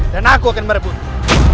dan aku akan merebutmu